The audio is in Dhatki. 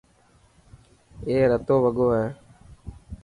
اي رتو وڳو هي.